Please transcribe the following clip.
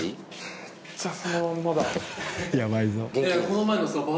めっちゃそのまんまだ。